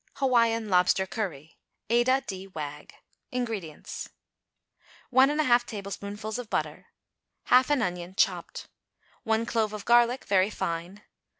=Hawaiian Lobster Curry.= (ADA D. WAGG.) INGREDIENTS. 1 1/2 tablespoonfuls of butter. 1/2 an onion, chopped 1 clove of garlic, very fine.